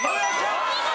お見事。